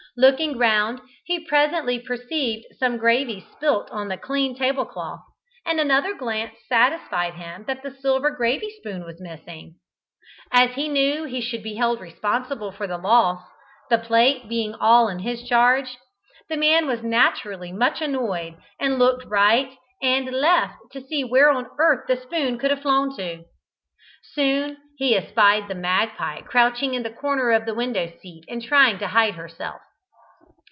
Looking round, he presently perceived some gravy spilt on the clean table cloth, and another glance satisfied him that the silver gravy spoon was missing. As he knew he should be held responsible for the loss, the plate being all in his charge, the man was naturally much annoyed, and looked right and left to see where on earth the spoon could have flown to. Soon he espied the magpie crouching in the corner of the window seat, and trying to hide herself.